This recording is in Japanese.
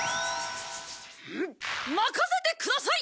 任せてください。